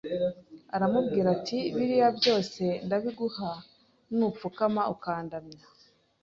aramubwira ati: biriya byose ndabiguha, nupfukama ukandamya.